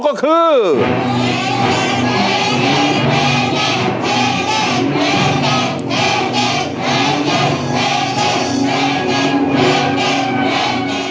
เปลี่ยนเพลงเปลี่ยนเพลง